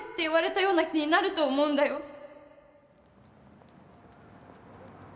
言われたような気になると思うんだよ